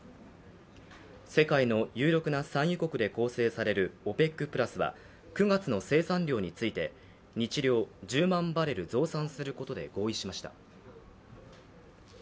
世界の有力な産油国で構成されるＯＰＥＣプラスは９月の生産量について、日量１０万バレル増産することで合意しました。